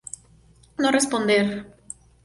No responder".